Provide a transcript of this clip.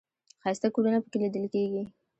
ښایسته کورونه په کې لیدل کېږي.